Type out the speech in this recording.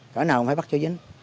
cở nào cũng phải bắt cho dính